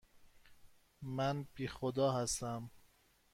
من بی خدا هستم.